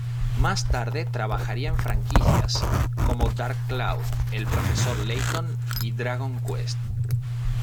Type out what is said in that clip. Más tarde trabajaría en franquicias como Dark Cloud, el profesor Layton y Dragon Quest.